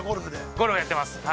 ◆ゴルフやってます。